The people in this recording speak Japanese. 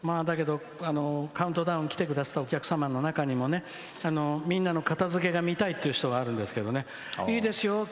だけど、カウントダウン来てくださったお客様の中にみんなの片づけが見たいという方があるんですけどいいですよ